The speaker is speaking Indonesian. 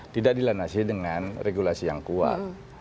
tidak dilanasi dengan regulasi yang kuat